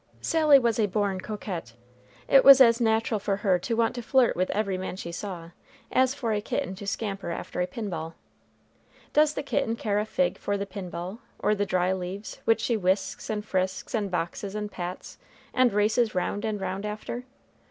Sally was a born coquette. It was as natural for her to want to flirt with every man she saw, as for a kitten to scamper after a pin ball. Does the kitten care a fig for the pin ball, or the dry leaves, which she whisks, and frisks, and boxes, and pats, and races round and round after?